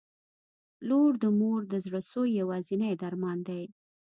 • لور د مور د زړسوي یوازینی درمان دی.